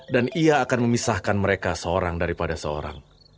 dan ia akan memisahkan mereka seorang daripada seorang